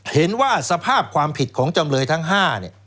เห็นว่าสภาพความผิดของจำเลยทั้ง๕เนี่ย